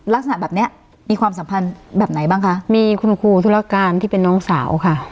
ลักษณะแบบเนี้ยมีความสัมพันธ์แบบไหนบ้างคะมีคุณครูธุรการที่เป็นน้องสาวค่ะ